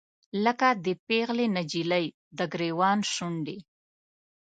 لکه د پیغلې نجلۍ، دګریوان شونډې